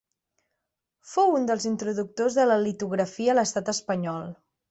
Fou un dels introductors de la litografia a l'estat espanyol.